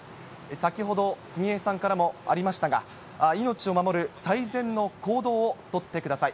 先ほど、杉江さんからもありましたが、命を守る最善の行動を取ってください。